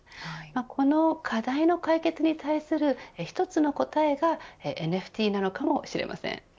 この課題の解決に対する一つの答えがＮＦＴなのかもしれません。